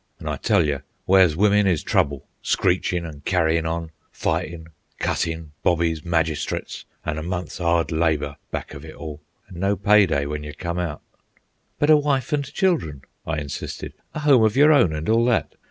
An' I tell you, where's wimmen is trouble—screechin' an' carryin' on, fightin', cuttin', bobbies, magistrates, an' a month's 'ard labour back of it all, an' no pay day when you come out." "But a wife and children," I insisted. "A home of your own, and all that.